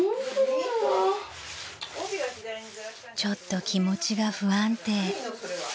［ちょっと気持ちが不安定］